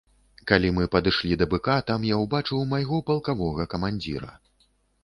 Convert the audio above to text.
Калі мы падышлі да быка, там я ўбачыў майго палкавога камандзіра.